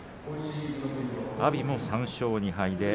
阿炎も３勝２敗。